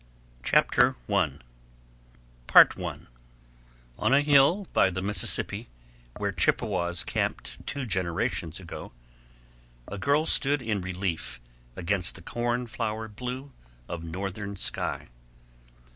CHAPTER I I ON a hill by the Mississippi where Chippewas camped two generations ago, a girl stood in relief against the cornflower blue of Northern sky.